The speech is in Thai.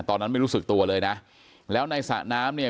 ตอนนั้นไม่รู้สึกตัวเลยนะแล้วในสระน้ำเนี่ย